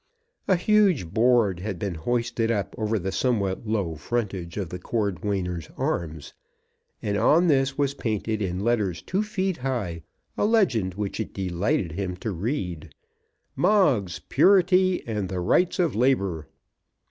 A huge board had been hoisted up over the somewhat low frontage of the Cordwainers' Arms, and on this was painted in letters two feet high a legend which it delighted him to read, MOGGS, PURITY, AND THE RIGHTS OF LABOUR.